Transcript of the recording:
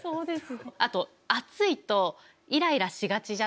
あと暑いとイライラしがちじゃないですか。